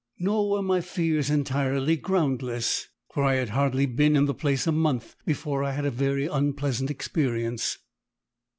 Nor were my fears entirely groundless, for I had hardly been in the place a month before I had a very unpleasant experience.